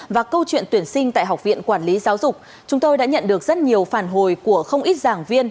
và câu chuyện tuyển sinh tại học viện quản lý giáo dục chúng tôi đã nhận được rất nhiều phản hồi của không ít giảng viên